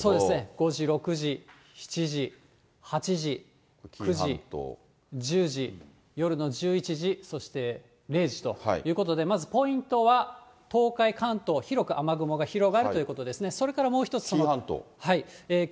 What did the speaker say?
５時、６時、７時、８時、９時、１０時、夜の１１時、そして０時ということで、まずポイントは、東海、関東、広く雨雲が広がるということですね。